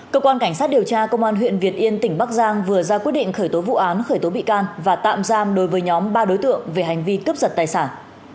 cơ quan cảnh sát điều tra công an huyện việt yên tỉnh bắc giang vừa ra quyết định khởi tố vụ án khởi tố bị can và tạm giam đối với nhóm ba đối tượng về hành vi cướp giật tài sản